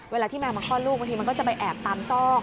เวลาที่แมวมาคลอดลูกบางทีมันก็จะไปแอบตามซอก